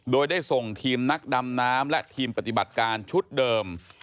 โดยได้ส่งทีมนักดำน้ำและทีมปฏิบัติการชุดเดิม